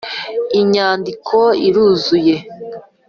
Inyandiko iruzuye.